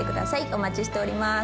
お待ちしております。